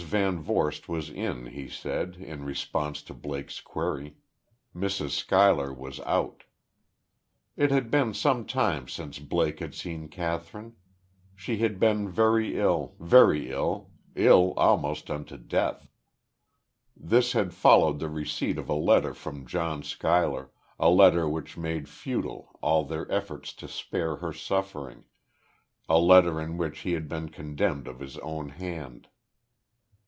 VanVorst was in, he said, in response to Blake's query; Mrs. Schuyler was out.... It had been some time since Blake had seen Kathryn. She had been very ill, very ill ill almost unto death. This had followed the receipt of a letter from John Schuyler a letter which made futile all their efforts to spare her suffering a letter in which he had been condemned of his own hand.